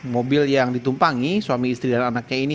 mobil yang ditumpangi suami istri dan anaknya ini